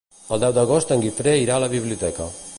El deu d'agost en Guifré irà a la biblioteca.